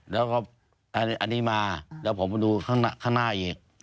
แล้วก็อันนี้มาแล้วผมมาดูข้างหน้าอีก